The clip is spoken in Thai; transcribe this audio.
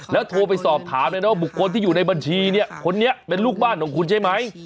แล้วโทรไปสอบถามเลยนะว่าบุคคลที่อยู่ในบัญชีเนี่ยคนนี้เป็นลูกบ้านของคุณใช่ไหม